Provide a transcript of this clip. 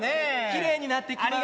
きれいになってきます。